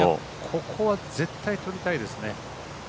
ここは絶対取りたいですね。